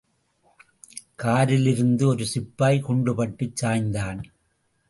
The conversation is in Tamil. காரிலிருந்த ஒரு சிப்பாய் குண்டு பட்டுச் சாய்ந்தான்.